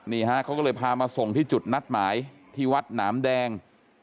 นี่ฮะเขาก็เลยพามาส่งที่จุดนัดหมายที่วัดหนามแดง